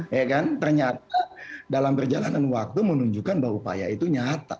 ya kan ternyata dalam perjalanan waktu menunjukkan bahwa upaya itu nyata